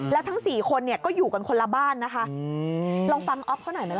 และทั้ง๔คนก็อยู่กันคนละบ้านนะคะลองฟังออฟเขาหน่อยไหมล่ะ